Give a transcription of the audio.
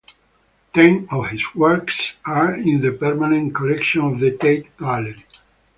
Ten of his works are in the permanent collection of the Tate Gallery.